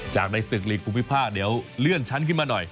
ในศึกหลีกภูมิภาคเดี๋ยวเลื่อนชั้นขึ้นมาหน่อย